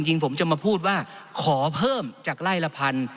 จริงผมจะมาพูดว่าขอเพิ่มจากไล่ละพัน